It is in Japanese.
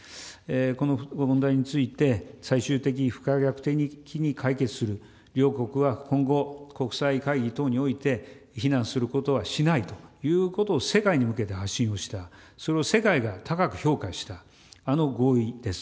この問題について、最終的不可逆的に解決する、両国は今後、国際会議等において、非難することはしないということを世界に向けて発信をした、それを世界が高く評価した、あの合意です。